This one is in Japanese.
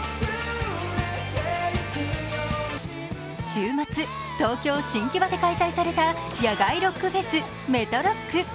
週末、東京・新木場で開催された野外ロックフェス、ＭＥＴＲＯＣＫ。